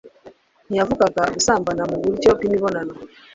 ntiyavugaga gusambana mu buryo bw'imibonano